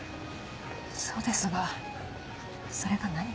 そうですがそれが何か？